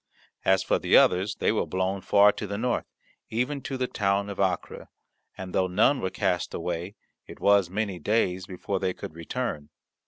As for the others, they were blown far to the north, even to the town of Acre, and, though none were cast away, it was many days before they could return.